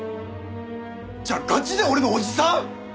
じゃあガチで俺のおじさん！？